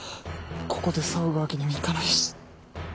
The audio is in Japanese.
ここで騒ぐわけにはいかないし。